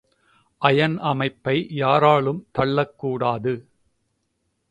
Iron அமைப்பை யாராலும் தள்ளக்கூடாது.